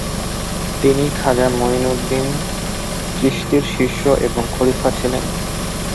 তিনি খাজা মঈনুদ্দীন চিশতীর শিষ্য এবং খলিফা ছিলেন।